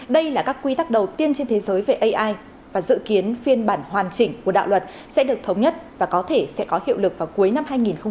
đây là các quy tắc đầu tiên trên thế giới về ai và dự kiến phiên bản hoàn chỉnh của đạo luật sẽ được thống nhất và có thể sẽ có hiệu lực vào cuối năm hai nghìn hai mươi